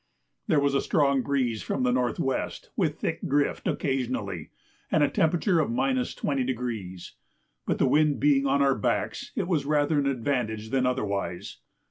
There was a strong breeze from N.W. with thick drift occasionally, and a temperature of 20°, but the wind being on our backs it was rather an advantage than otherwise.